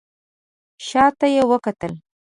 شا ته یې وکتل.